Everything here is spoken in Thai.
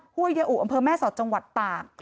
้วยยาอุอำเภอแม่สอดจังหวัดตาก